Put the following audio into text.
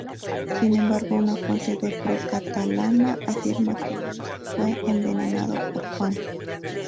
Sin embargo, una fuente de pro-catalana afirma que Luis fue envenenado por Juan.